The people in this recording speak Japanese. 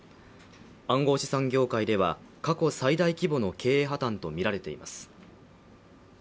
暗号資産業界では過去最大規模の経営破綻とみられています。